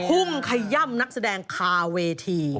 ุ่มขย่ำนักแสดงคาเวที